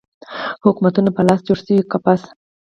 حکومتونو په لاس جوړ شوی قفس